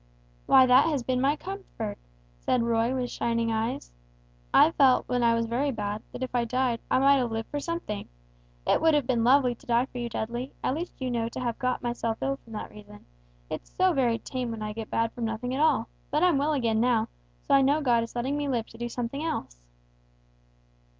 "Why that has been my comfort," said Roy, with shining eyes; "I felt when I was very bad, that if I died, I might have lived for something. It would have been lovely to die for you, Dudley at least you know to have got myself ill from that reason; it's so very tame when I get bad from nothing at all; but I'm well again now, so I know God is letting me live to do something else!"